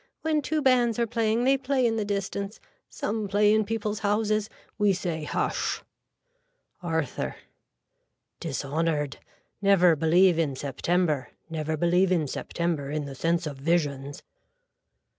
When two bands are playing they play in the distance. Some play in people's houses. We say hush. (Arthur.) Dishonored. Never believe in September. Never believe in September in the sense of visions.